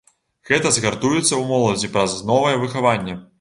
Гэта загартуецца ў моладзі праз новае выхаванне.